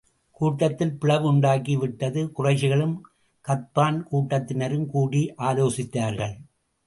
கூட்டத்தில் பிளவு உண்டாகி விட்டது குறைஷிகளும், கத்பான் கூட்டத்தினரும் கூடி ஆலோசித்தார்கள்.